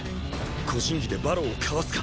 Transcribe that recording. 個人技で馬狼をかわすか？